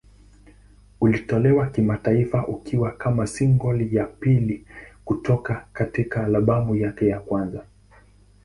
Ulitolewa kimataifa ukiwa kama single ya pili kutoka katika albamu yake ya kwanza.